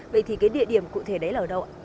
vậy thì cái địa điểm cụ thể đấy là ở đâu ạ